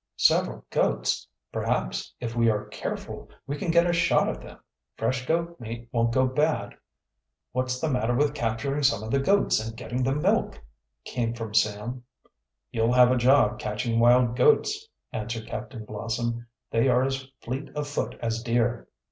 "Several goats. Perhaps, if we are careful, we can get a shot at them. Fresh goat meat won't go bad." "What's the matter with capturing some of the goats and getting the milk?" came from Sam. "You'll have a job catching wild goats," answered Captain Blossom. "They are as fleet of foot as deer."